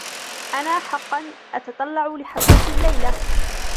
أنا حقاً أتتطلع لحفلة الليلة.